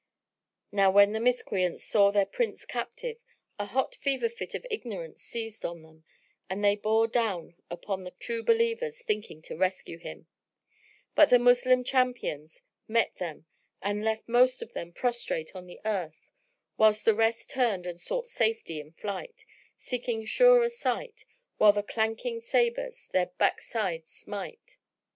Now when the Miscreants saw their Prince captive, a hot fever fit of ignorance seized on them and they bore down upon the True Believers thinking to rescue him; but the Moslem champions met them and left most of them prostrate on the earth, whilst the rest turned and sought safety in flight, seeking surer site, while the clanking sabres their back sides smite.